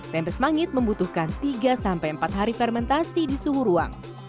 tempe semangit membutuhkan tiga sampai empat hari fermentasi di suhu ruang